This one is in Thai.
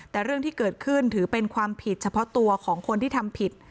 แต่เรื่องที่เกิดขึ้นถือเป็นความผิดเฉพาะตัวของคนที่ทำผิด